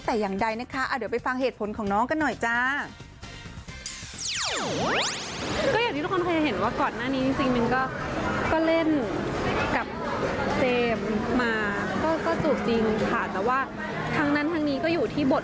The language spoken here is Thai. เดี๋ยวไปฟังเหตุผลของน้องกันหน่อย